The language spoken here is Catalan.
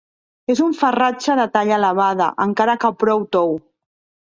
És un farratge de talla elevada, encara que prou tou.